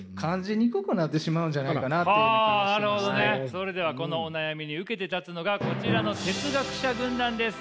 それではこのお悩みに受けて立つのがこちらの哲学者軍団です。